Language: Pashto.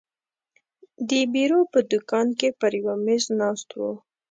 د بیرو په دوکان کې پر یوه مېز ناست وو.